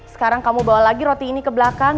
sekarang kamu bawa lagi roti ini ke belakang